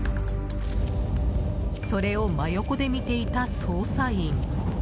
それを真横で見ていた捜査員。